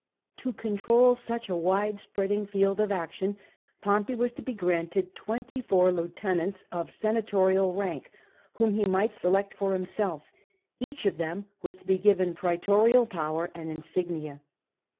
To control such a wide spreading field of action, Pompey was to be granted twenty four lieutenants of senatorial rank, whom he might select for himself : each of them was to be given praetorian power and insignia.